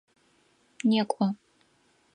Некӏо!